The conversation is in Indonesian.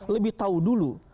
lebih tahu dulu